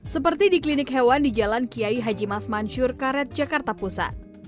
seperti di klinik hewan di jalan kiai haji mas mansur karet jakarta pusat